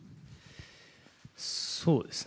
そうですね。